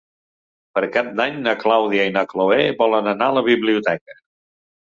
Per Cap d'Any na Clàudia i na Cloè volen anar a la biblioteca.